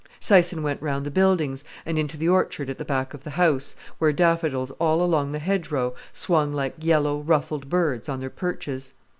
Syson went round the buildings, and into the orchard at the back of the house, where daffodils all along the hedgerow swung like yellow, ruffled birds on their perches.